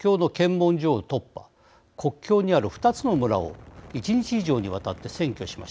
国境にある２つの村を１日以上にわたって占拠しました。